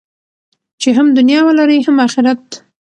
چې هم دنیا ولرئ هم اخرت.